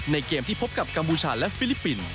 เกมที่พบกับกัมพูชาและฟิลิปปินส์